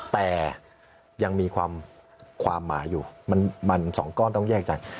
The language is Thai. แต่ยังมีความหมายอยู่มัน๒ก้อนต้องแยกใจ